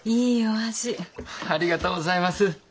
ありがとうございます。